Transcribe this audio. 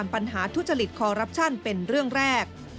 ปัญหาทุจริตคอรัปชั่นเป็นเรื่องแรก